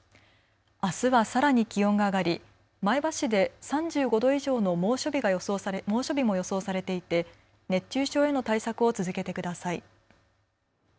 あすはさらに気温が上がり前橋市で３５度以上の猛暑日も予想されていて熱中症への対策を続けてください。